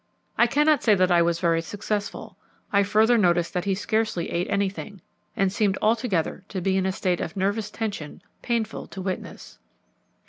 I cannot say that I was very successful. I further noticed that he scarcely ate anything, and seemed altogether to be in a state of nervous tension painful to witness.